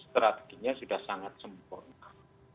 strateginya sudah sangat sempurna